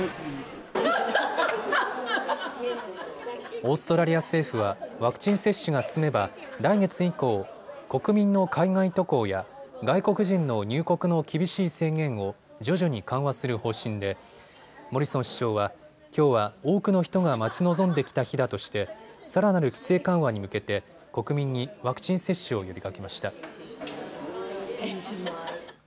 オーストラリア政府はワクチン接種が進めば来月以降、国民の海外渡航や外国人の入国の厳しい制限を徐々に緩和する方針でモリソン首相はきょうは多くの人が待ち望んできた日だとしてさらなる規制緩和に向けて国民にワクチン接種を呼びかけました。